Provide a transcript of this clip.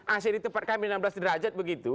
ac di tempat kami enam belas derajat begitu